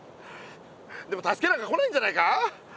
でも助けなんか来ないんじゃないか！